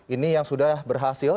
ini yang sudah berhasil